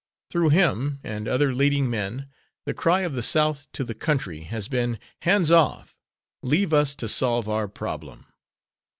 Through him and other leading men the cry of the South to the country has been "Hands off! Leave us to solve our problem."